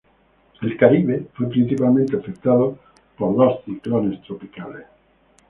El Caribe, fue principalmente afectado por dos ciclones tropicales.